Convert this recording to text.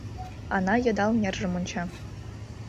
Ана йыдал нержым онча.